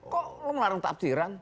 kok anda melarang tafsiran